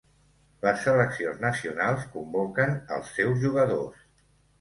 Les seleccions nacionals convoquen els seus jugadors.